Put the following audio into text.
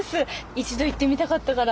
一度行ってみたかったから。